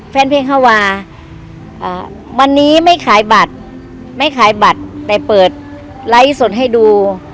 แฟนเพลงเข้ามาวันนี้ไม่ขายบัตรไม่ขายบัตรแต่เปิดไลฟ์สดให้ดู